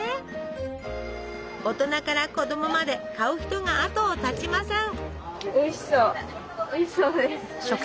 大人から子供まで買う人があとを絶ちません。